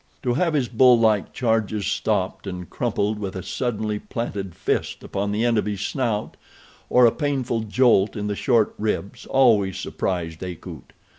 To have his bull like charges stopped and crumpled with a suddenly planted fist upon the end of his snout, or a painful jolt in the short ribs, always surprised Akut.